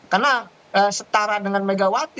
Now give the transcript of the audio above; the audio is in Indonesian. karena setara dengan megawati